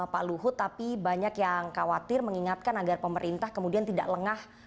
pak luhut tapi banyak yang khawatir mengingatkan agar pemerintah kemudian tidak lengah